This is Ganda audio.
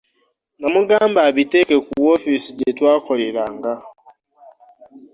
Namugamba abiteeke ku woofiisi gye twakoleranga.